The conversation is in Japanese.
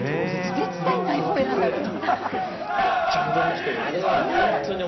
絶対ない方を選んだのに。